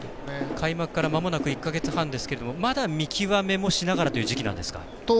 開幕からまもなく１か月半ですがまだ見極めもしながらという時期なんですか？